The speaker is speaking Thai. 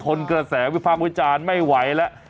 ทนกระแสวิภาพบุญจารย์ไม่ไหวแล้ว